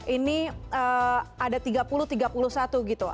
ini ada tiga puluh tiga puluh satu gitu